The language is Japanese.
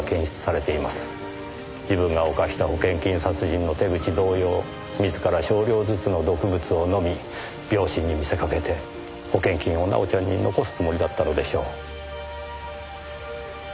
自分が犯した保険金殺人の手口同様自ら少量ずつの毒物を飲み病死に見せかけて保険金を奈緒ちゃんに残すつもりだったのでしょう。